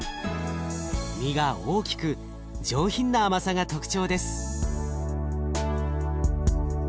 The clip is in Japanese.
身が大きく上品な甘さが特徴です。